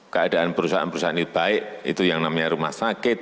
keadaan perusahaan perusahaan ini baik itu yang namanya rumah sakit